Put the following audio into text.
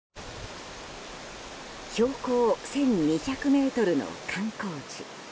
標高１２００ｍの観光地